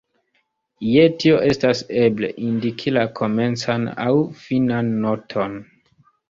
Je tio estas eble, indiki la komencan aŭ finan noton.